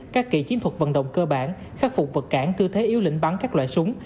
các kỹ chiến thuật vận động cơ bản khắc phục vật cản tư thế yếu lĩnh bắn các loại súng